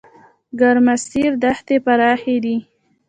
ګرمسیر دښتې پراخې دي؟